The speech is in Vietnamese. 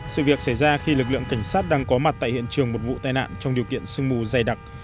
sự việc xảy ra khi lực lượng cảnh sát đang có mặt tại hiện trường một vụ tai nạn trong điều kiện sương mù dày đặc